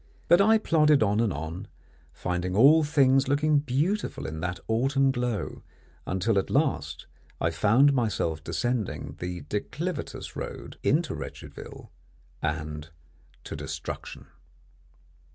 But I plodded on and on, finding all things looking beautiful in that autumn glow, until at last I found myself descending the declivitous road into Wretchedville and to destruction.